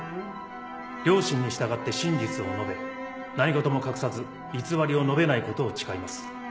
良心に従って真実を述べ何事も隠さず偽りを述べないことを誓います。